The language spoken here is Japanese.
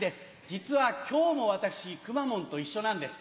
実はきょうも私、くまモンと一緒なんです。